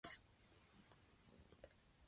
He was also elected to the Royal Academy of Arts.